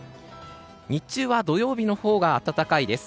日中は土曜日のほうが暖かいです。